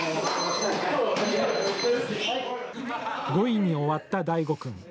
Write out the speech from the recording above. ５位に終わった大護君。